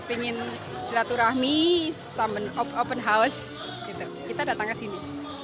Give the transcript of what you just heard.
ingin silaturahmi open house kita datang ke sini